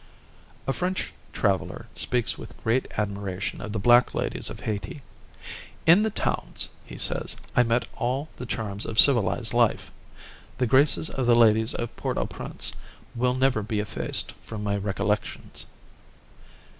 A French traveler speaks with great admiration of the black ladies of Hayti. "In the towns," he says, "I met all the charms of civilized life. The graces of the ladies of Port au Prince will never be effaced from my recollections."